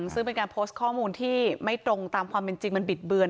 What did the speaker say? ซึ่งเป็นการโพสต์ข้อมูลที่ไม่ตรงตามความเป็นจริงมันบิดเบือน